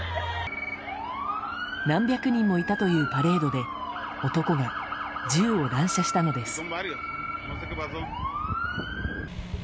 何百人もいたというパレードで男が銃を乱射したのです。